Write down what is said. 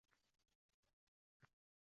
Loy va somonda barpo qilingan